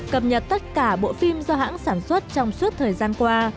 cập nhật tất cả bộ phim do hãng sản xuất trong suốt thời gian qua